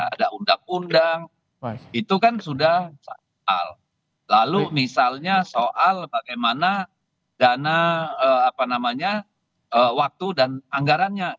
ada undang undang itu kan sudah hal lalu misalnya soal bagaimana dana waktu dan anggarannya